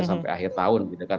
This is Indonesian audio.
sampai akhir tahun gitu kan